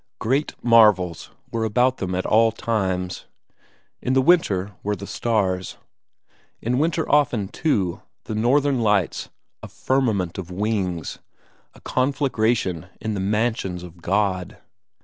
Great marvels were about them at all times; in the winter were the stars; in winter often, too, the northern lights, a firmament of wings, a conflagration in the mansions of God.